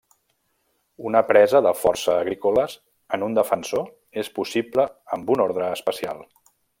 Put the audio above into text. Una presa de força agrícoles en un defensor és possible amb un ordre especial.